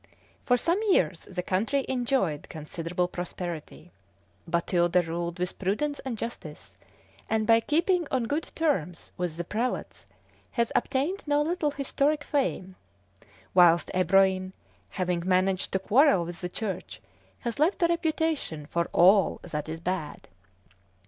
For some years the country enjoyed considerable prosperity: Batilde ruled with prudence and justice, and by keeping on good terms with the prelates has obtained no little historic fame; whilst Ebroin, having managed to quarrel with the Church, has left a reputation for all that is bad.